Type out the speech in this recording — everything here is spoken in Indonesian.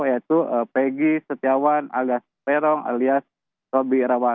yaitu peggy setiawan alias perong alias robi rawandan